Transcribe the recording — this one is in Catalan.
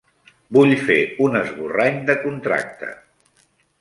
Vull fer un esborrany de contracte.